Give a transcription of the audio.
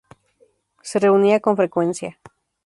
Se reunía con frecuencia.